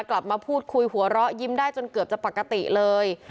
กลับมาพูดคุยหัวเราะยิ้มได้จนเกือบจะปกติเลย